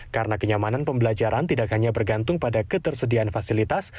karena kenyamanan pembelajaran tidak hanya bergantung pada ketersediaan fasilitas